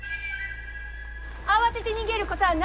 慌てて逃げることはないよ！